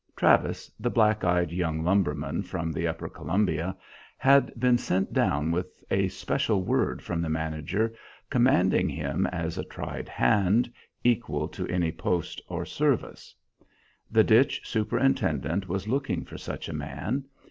Travis, the black eyed young lumberman from the upper Columbia, had been sent down with a special word from the manager commending him as a tried hand, equal to any post or service. The ditch superintendent was looking for such a man.